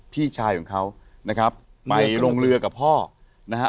พี่ชายของเขานะครับไปลงเรือกับพ่อนะฮะ